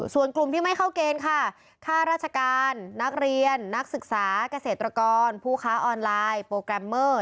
ส่วนกลุ่มที่ไม่เข้าเกณฑ์ค่ะค่าราชการนักเรียนนักศึกษาเกษตรกรผู้ค้าออนไลน์โปรแกรมเมอร์